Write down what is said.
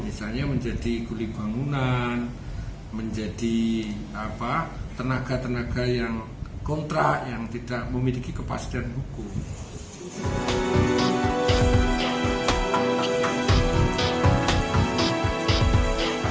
misalnya menjadi kulit bangunan menjadi tenaga tenaga yang kontrak yang tidak memiliki kepastian hukum